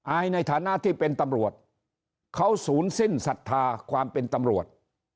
อายในฐานะที่เป็นตำรวจเขาศูนย์สิ้นศรัทธาความเป็นตำรวจ